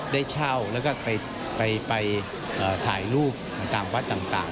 ได้เช่าและก็ไปทำถ่ายรูปตามวัตต์ต่าง